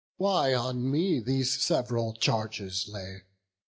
why on me These sev'ral charges lay?